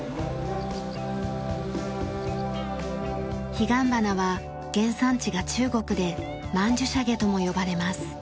ヒガンバナは原産地が中国で曼珠沙華とも呼ばれます。